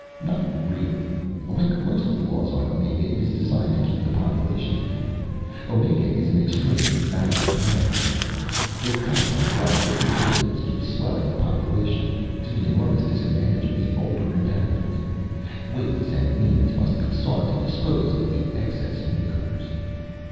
"Not really. Like most of the laws of Omega, it is designed to keep the population down. Omega is an extremely barren planet, you know. The constant arrival of new prisoners keeps swelling the population, to the enormous disadvantage of the older inhabitants. Ways and means must be sought to dispose of the excess newcomers."